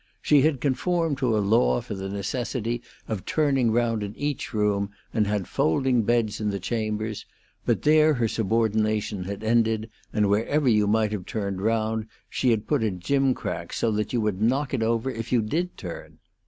She had conformed to a law for the necessity of turning round in each room, and had folding beds in the chambers, but there her subordination had ended, and wherever you might have turned round she had put a gimcrack so that you would knock it over if you did turn.